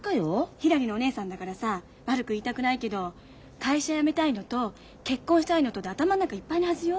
ひらりのお姉さんだからさ悪く言いたくないけど会社辞めたいのと結婚したいのとで頭の中いっぱいのはずよ。